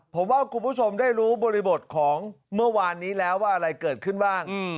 ผมว่าคุณผู้ชมได้รู้บริบทของเมื่อวานนี้แล้วว่าอะไรเกิดขึ้นบ้าง